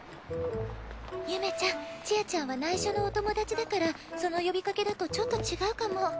ゆめちゃんちあちゃんはないしょのお友達だからその呼びかけだとちょっと違うかも。